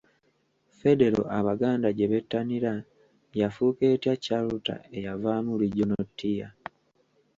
Federo Abaganda gyebettanira yafuuka etya Chalter Eyavaamu “Regional Tier?”